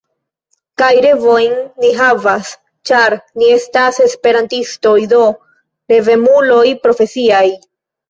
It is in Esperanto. Kaj revojn ni havas, ĉar ni estas Esperantistoj, do revemuloj profesiaj.